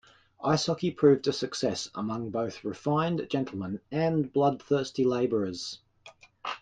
Ice hockey proved a success among both refined gentlemen and bloodthirsty labourers.